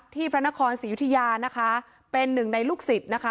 พระนครศรียุธยานะคะเป็นหนึ่งในลูกศิษย์นะคะ